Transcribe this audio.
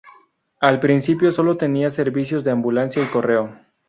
Al principio solo tenía servicios de ambulancia y correo.